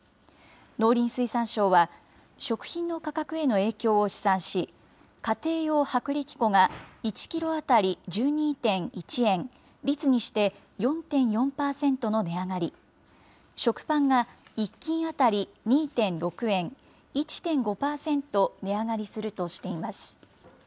農林水産省は、食品の価格への影響を試算し、家庭用薄力粉が１キロ当たり１２．１円、率にして４．４％の値上がり、食パンが１斤当たり２．６円、１．５％値上がりするとしています。